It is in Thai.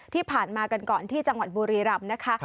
ที่ผ่านมากันก่อนที่จังหวัดบุรีรำนะคะ